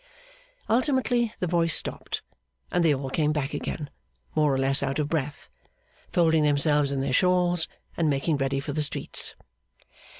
Ultimately the voice stopped, and they all came back again, more or less out of breath, folding themselves in their shawls, and making ready for the streets.